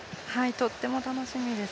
とっても楽しみです。